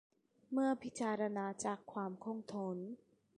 เมื่อพิจารณาจากความคงทน